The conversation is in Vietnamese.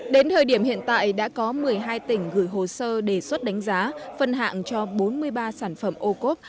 đến thời điểm hiện tại đã có một mươi hai tỉnh gửi hồ sơ đề xuất đánh giá phân hạng cho bốn mươi ba sản phẩm ô cốp